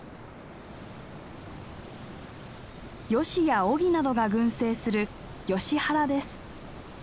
ヨシやオギなどが群生するヨシ原です。